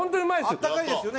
温かいですよね？